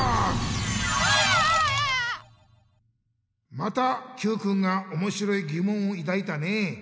またＱくんがおもしろいぎもんをいだいたね。